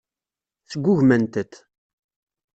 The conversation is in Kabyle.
Sgugment-t.